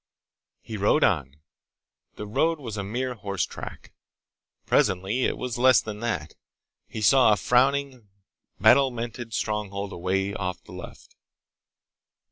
He rode on. The road was a mere horse track. Presently it was less than that. He saw a frowning, battlemented stronghold away off to the left.